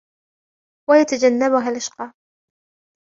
وَيَتَجَنَّبُهَا الْأَشْقَى